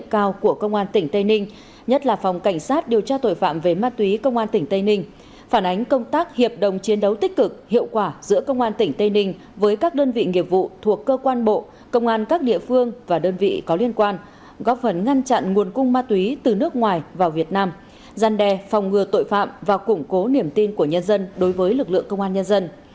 đây là chiến công đặc biệt cao của công an tỉnh tây ninh nhất là phòng cảnh sát điều tra tội phạm về ma túy công an tỉnh tây ninh phản ánh công tác hiệp đồng chiến đấu tích cực hiệu quả giữa công an tỉnh tây ninh với các đơn vị nghiệp vụ thuộc cơ quan bộ công an các địa phương và đơn vị có liên quan góp phần ngăn chặn nguồn cung ma túy từ nước ngoài vào việt nam gian đe phòng ngừa tội phạm và củng cố niềm tin của nhân dân đối với lực lượng công an nhân dân